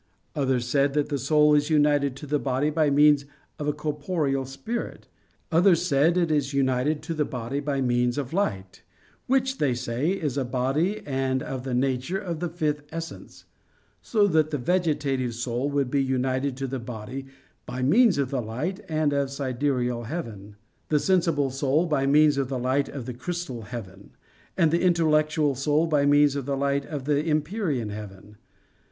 Others said that the soul is united to the body by means of a corporeal spirit. Others said it is united to the body by means of light, which, they say, is a body and of the nature of the fifth essence; so that the vegetative soul would be united to the body by means of the light of the sidereal heaven; the sensible soul, by means of the light of the crystal heaven; and the intellectual soul by means of the light of the empyrean heaven.